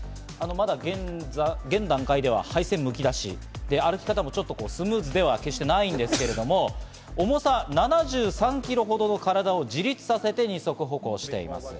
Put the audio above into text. まだ現段階では、配線むき出し、歩き方もちょっとスムーズでは決してないんですけど、重さ７３キロほどの体を自立させて２足歩行をしています。